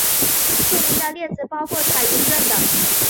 著名的例子包括彩云邨等。